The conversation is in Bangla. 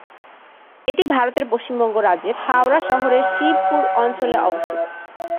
এটি ভারতের পশ্চিমবঙ্গ রাজ্যের হাওড়া শহরের শিবপুর অঞ্চলে অবস্থিত।